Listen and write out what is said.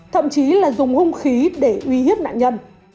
thậm chí là dùng hung khí để uy hiếp nạn nhân